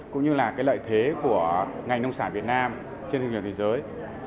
cũng như là lợi thế của ngành nông sản việt nam trên thương hiệu thế giới